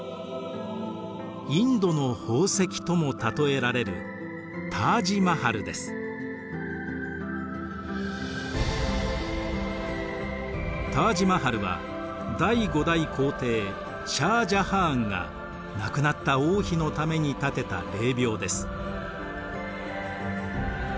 インドの宝石とも例えられるタージ・マハルは第５代皇帝シャー・ジャハーンが亡くなった王妃のために建てた霊びょうです。